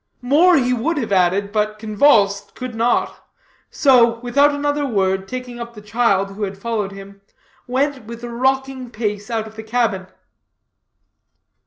More he would have added, but, convulsed, could not; so, without another word, taking up the child, who had followed him, went with a rocking pace out of the cabin.